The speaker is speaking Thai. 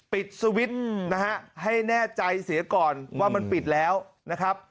ปิดสวิตช์นะฮะให้แน่ใจเสียก่อนว่ามันปิดแล้วนะครับ